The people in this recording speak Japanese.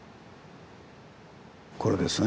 これですね。